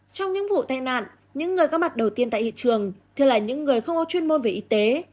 trong những vụ tai nạn những người có mặt đầu tiên tại hiện trường thường là những người không có chuyên môn về y tế